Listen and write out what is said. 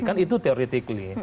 kan itu teoretik